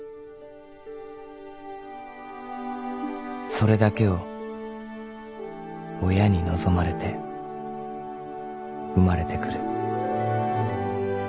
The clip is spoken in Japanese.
［それだけを親に望まれて生まれてくる］